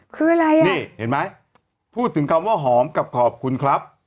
คืออะไรอ่ะนี่เห็นไหมพูดถึงคำว่าหอมกับขอบคุณครับ